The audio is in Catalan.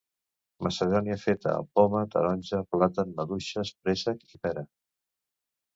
macedònia feta amb poma, taronja, plàtan, maduixes, préssec i pera